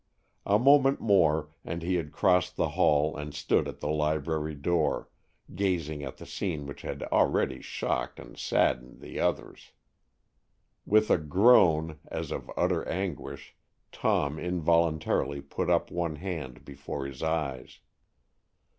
A moment more and he had crossed the hall and stood at the library door, gazing at the scene which had already shocked and saddened the others. With a groan, as of utter anguish, Tom involuntarily put up one hand before his eyes.